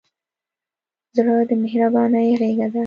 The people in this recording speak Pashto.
زړه د مهربانۍ غېږه ده.